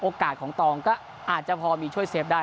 โอกาสของตองก็อาจจะพอมีช่วยเซฟได้